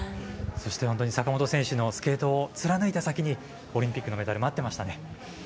そして、本当に坂本選手のスケートを貫いた先にオリンピックのメダルが待っていましたね。